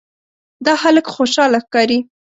دا هلک خوشاله ښکاري.